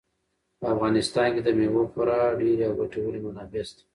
په افغانستان کې د مېوو خورا ډېرې او ګټورې منابع شته.